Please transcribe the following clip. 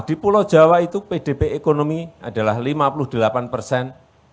di pulau jawa itu pdb ekonomi adalah lima puluh delapan persen